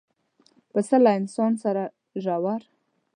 پسه له انسان سره ژور